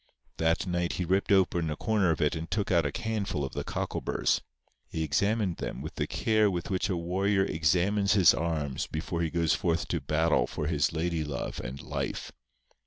That night he ripped open a corner of it and took out a handful of the cockleburrs. He examined them with the care with which a warrior examines his arms before he goes forth to battle for his lady love and life.